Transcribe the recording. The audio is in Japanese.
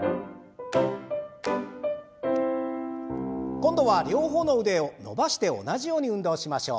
今度は両方の腕を伸ばして同じように運動をしましょう。